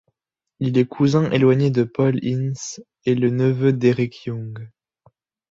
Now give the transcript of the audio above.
Il est cousin éloigné de Paul Ince et le neveu d'Eric Young.